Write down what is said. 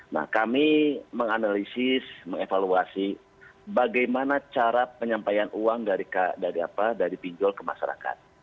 nah kami menganalisis mengevaluasi bagaimana cara penyampaian uang dari pinjol ke masyarakat